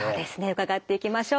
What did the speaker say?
伺っていきましょう。